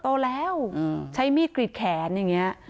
โตแล้วใช้มีดกรีดแขนอย่างนี้